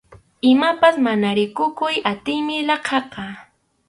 Imapas mana rikukuy atiymi laqhaqa.